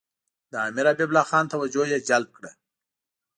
د امیر حبیب الله خان توجه یې جلب کړه.